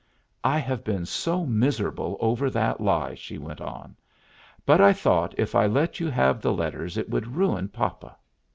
"I have been so miserable over that lie," she went on; "but I thought if I let you have the letters it would ruin papa.